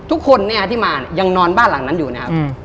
ทุกคนเนี่ยที่มายังนอนบ้านหลังนั้นอยู่นะครับ